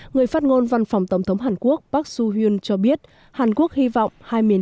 người phát ngôn văn phòng tổng thống hàn quốc park su hun cho biết hàn quốc hy vọng hai miền